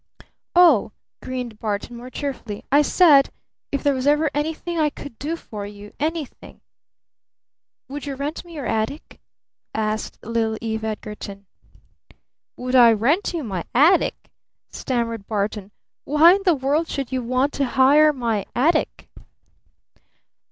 "Oh!" grinned Barton more cheerfully. "I said if there was ever anything that I could do for you, anything " "Would you rent me your attic?" asked little Eve Edgarton. "Would I rent you my attic?" stammered Barton. "Why in the world should you want to hire my attic?"